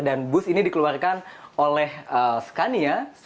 dan bus ini dikeluarkan oleh scania